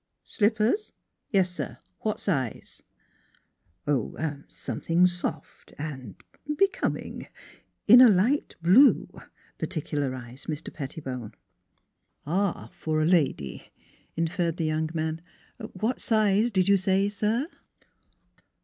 " Slippers? Yes, sir; what size? "" Something soft er and becoming, in a light blue," particularized Mr. Pettibone. " For a lady," inferred the young man. " What size did you say, sir?